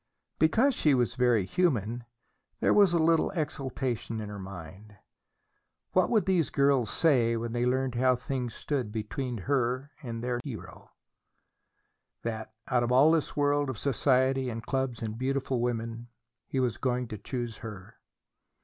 Because she was very human, there was a little exultation in her mind. What would these girls say when they learned of how things stood between her and their hero that, out of all his world of society and clubs and beautiful women, he was going to choose her?